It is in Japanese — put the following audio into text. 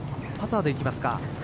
パターでいきますか。